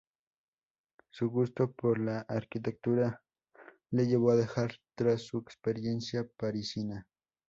Su gusto por la arquitectura le llevó a dejar atrás su experiencia parisina.